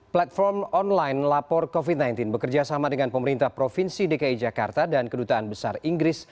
platform online lapor covid sembilan belas bekerjasama dengan pemerintah provinsi dki jakarta dan kedutaan besar inggris